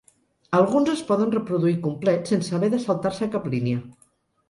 Alguns es poden reproduir complets sense haver de saltar-se cap línia.